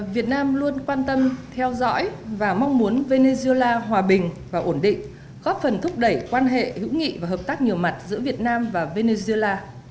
việt nam luôn quan tâm theo dõi và mong muốn venezuela hòa bình và ổn định góp phần thúc đẩy quan hệ hữu nghị và hợp tác nhiều mặt giữa việt nam và venezuela